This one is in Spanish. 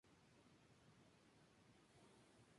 Se graduó de "Ferris State University" en Big Rapids, Michigan.